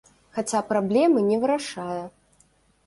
Хаця праблемы не вырашае.